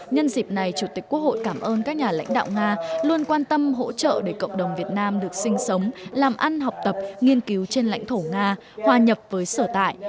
nhân dịp này chủ tịch quốc hội cảm ơn các nhà lãnh đạo nga luôn quan tâm hỗ trợ để cộng đồng việt nam được sinh sống làm ăn học tập nghiên cứu trên lãnh thổ nga hòa nhập với sở tại